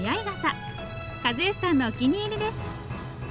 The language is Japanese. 和善さんのお気に入りです。